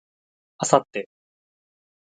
明後日